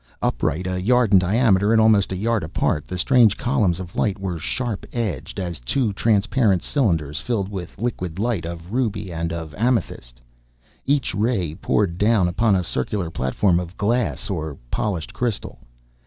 Upright, a yard in diameter and almost a yard apart, the strange columns of light were sharp edged as two transparent cylinders filled with liquid light of ruby and of amethyst. Each ray poured down upon a circular platform of glass or polished crystal.